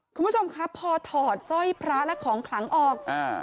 คุณผู้ชมครับพอถอดสร้อยพระและของขลังออกอ่า